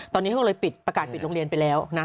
ตอนนี้เขาเลยปิดประกาศปิดโรงเรียนไปแล้วนะ